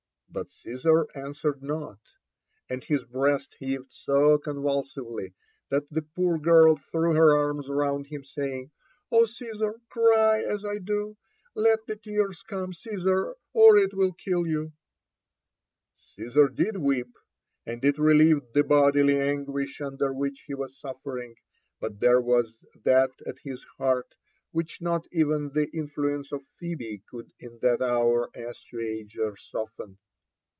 But Caesar answered not, /and bis breast heaved so convulsively that the poor girl threw her arms round him, saying, " Oh, Caesar, cry, as I do ;— let the tears cono^, Caesar, or it will kill you 1" Caesar did weep, and it relieved the bodHy anguish under which he was suffering ; but there was that at his heart which not even the in fluence of Phebe could in that hour assuage or soften.